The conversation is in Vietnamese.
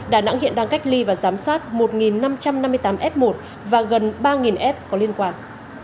đà nẵng hiện đang cách ly và giám sát một năm trăm năm mươi tám f một và gần ba f có liên quan